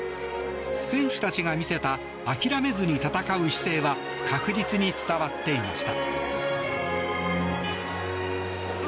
選手たちが見せた諦めずに戦う姿勢は確実に伝わっていました。